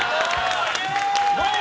どう？